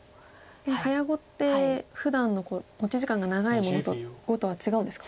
早碁ってふだんの持ち時間が長い碁とは違うんですか？